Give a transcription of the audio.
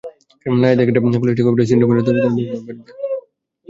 নারীদের ক্ষেত্রে polycystic ovary syndrome হরমোনের তারতম্যের প্রভাবে ওজন বেড়ে যায়।